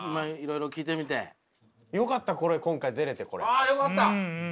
ああよかった！